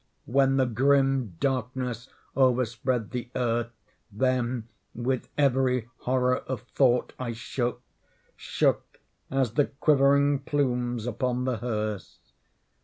When the grim Darkness overspread the Earth, then, with every horror of thought, I shook—shook as the quivering plumes upon the hearse.